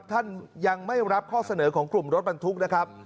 ท่านยังไม่รับข้อเสนอของกลุ่มรถบรรทุกนะครับ